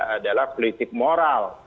adalah politik moral